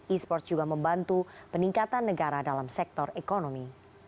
esports juga membantu peningkatan negara dalam sektor ekonomi